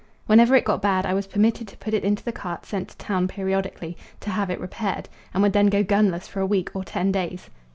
Whenever it got bad I was permitted to put it into the cart sent to town periodically, to have it repaired, and would then go gunless for a week or ten days.